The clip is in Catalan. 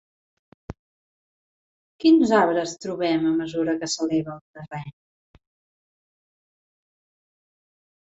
Quins arbres trobem a mesura que s'eleva el terreny?